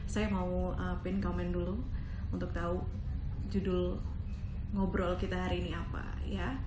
saya mau pin comment dulu untuk tahu judul ngobrol kita hari ini apa ya